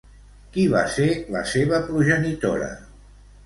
Qui va ser la seva progenitora?